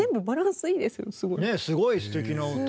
すごいすてきな音。